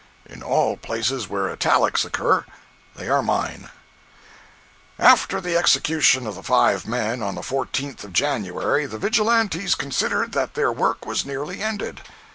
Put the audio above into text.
In all places where italics occur, they are mine: After the execution of the five men on the 14th of January, the Vigilantes considered that their work was nearly ended.